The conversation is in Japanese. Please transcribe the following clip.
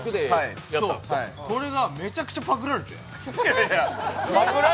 これがめちゃくちゃパクられて。